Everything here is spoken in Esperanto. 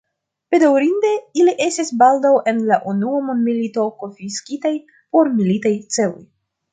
Bedaŭrinde ili estis baldaŭ en la unua mondmilito konfiskitaj por militaj celoj.